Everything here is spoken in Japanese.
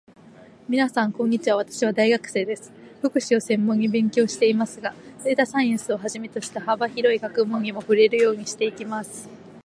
みなさん、こんにちは。私は大学生です。福祉を専門に勉強していますが、データサイエンスをはじめとした幅広い学問にも触れるようにしています。